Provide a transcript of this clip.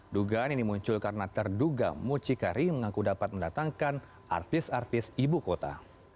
dugaan ini muncul karena terduga mucikari mengaku dapat mendatangkan artis artis ibu kota